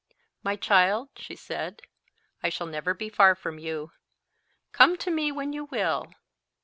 "My child," she said, "I shall never be far from you. Come to me when you will.